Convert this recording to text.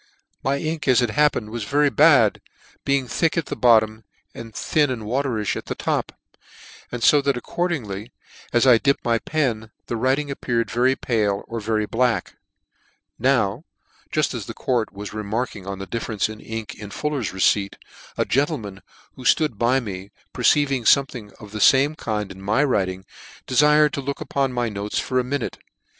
Cf My ink, as it happened, was very bad, be fr ing thick at bottom, and thin and waterifl) at " top , fo that according as I dipped my pen, " the writing appeared very pale or pretty blacki " Now, juft as the court was remarking on " the difference of the ink in Fuller's receipt , a " gentleman who flood by me, perceiving Fpine " thing of the fame kind in my writing, defired " to look upon my notes for a 'minute.